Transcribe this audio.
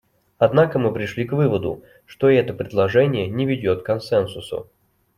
Однако мы пришли к выводу, что и это предложение не ведет к консенсусу.